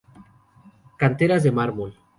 Canteras de mármol.